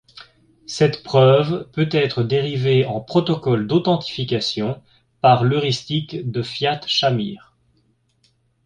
Cette preuve peut-être dérivée en protocole d'authentification par l'heuristique de Fiat-Shamir.